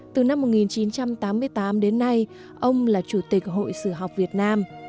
từ năm một nghìn chín trăm tám mươi tám đến nay ông là chủ tịch hội sử học việt nam